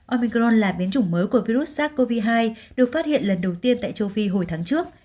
omingron là biến chủng mới của virus sars cov hai được phát hiện lần đầu tiên tại châu phi hồi tháng trước